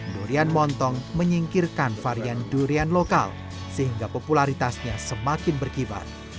durian montong menyingkirkan varian durian lokal sehingga popularitasnya semakin berkibar